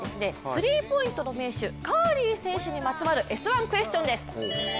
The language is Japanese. スリーポイントの名手カリー選手にまつわる「Ｓ☆１」クエスチョンです。